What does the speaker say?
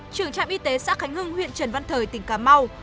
trưởng trạm y tế xã khánh hưng huyện trần văn thời tỉnh cà mau